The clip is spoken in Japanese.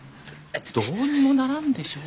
どうにもならんでしょう。